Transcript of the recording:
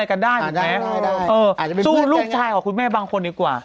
เออสู้ลูกชายของคุณแม่บางคนดีกว่า